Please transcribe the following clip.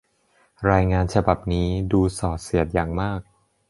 รายงานฉบับนี้ดูส่อเสียดอย่างมาก